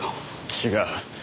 違う。